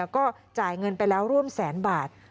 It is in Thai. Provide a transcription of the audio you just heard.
ก็จ่ายเงินไปแล้วร่วมแสนบาท